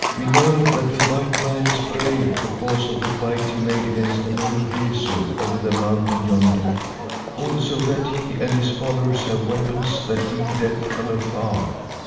We know that the white man is brave because of the fight he made against the men of Rezu over the mountain yonder; also that he and his followers have weapons that deal death from afar.